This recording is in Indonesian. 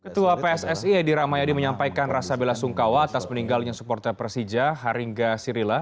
ketua pssi edi ramayadi menyampaikan rasa bela sungkawa atas meninggalnya supporter persija haringga sirila